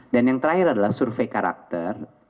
dan yang terakhir adalah survei karakter